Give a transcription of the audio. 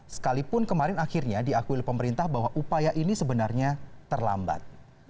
sekalipun kemarin akhirnya diakui oleh pemerintah bahwa upaya ini sebenarnya terlambat